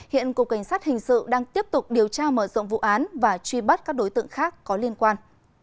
hiện cục cảnh sát hình sự đang tiếp tục điều tra mở rộng vụ án và truy bắt các đối tượng khác có liên quan